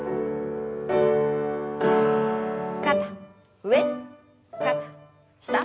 肩上肩下。